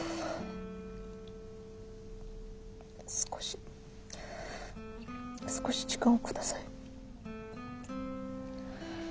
少し少し時間を下さい。